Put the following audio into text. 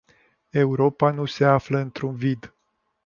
Europa nu se află într-un vid.